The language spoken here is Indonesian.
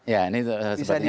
ya ini sepertinya